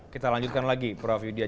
kita lanjutkan lagi prof yudha